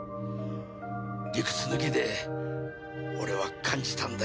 理屈抜きで俺は感じたんだよ。